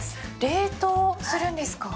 冷凍するんですか？